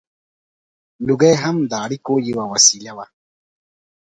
• لوګی هم د اړیکو یوه وسیله وه.